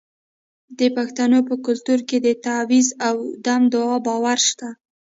د پښتنو په کلتور کې د تعویذ او دم دعا باور شته.